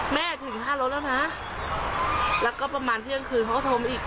ถึงท่ารถแล้วนะแล้วก็ประมาณเที่ยงคืนเขาก็โทรมาอีก